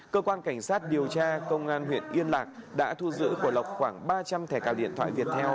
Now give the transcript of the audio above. cơ quan cảnh sát điều tra công an huyện yên lạc đã thu giữ của lộc khoảng ba trăm linh thẻ cào điện thoại viettel